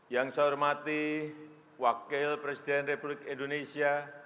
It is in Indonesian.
yang saya hormati wakil presiden republik indonesia